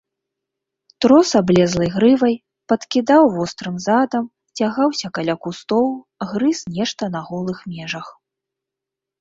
Трос аблезлай грывай, падкідаў вострым задам, цягаўся каля кустоў, грыз нешта на голых межах.